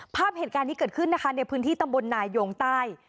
ภาพเหตุการณ์นี้เกิดขึ้นนะคะในพื้นที่ตำบลนายงใต้